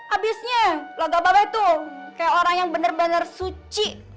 abisnya laga babe tuh kayak orang yang bener bener suci